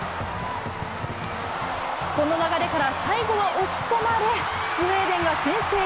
この流れから最後は押し込まれ、スウェーデンが先制。